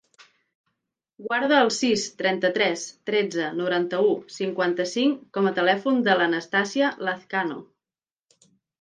Guarda el sis, trenta-tres, tretze, noranta-u, cinquanta-cinc com a telèfon de l'Anastàsia Lazcano.